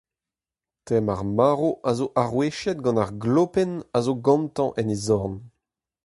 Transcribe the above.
Tem ar marv zo aroueziet gant ar glopenn a zo gantañ en e zorn.